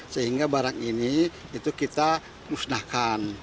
sehingga barang ini itu kita musnahkan